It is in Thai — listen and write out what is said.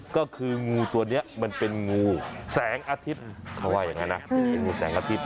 ก็คืองูตัวนี้มันเป็นงูแสงอาทิตย์เขาว่าอย่างนั้นนะเป็นงูแสงอาทิตย